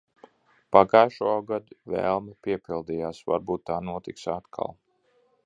Pagājušogad vēlme piepildījās. Varbūt tā notiks atkal.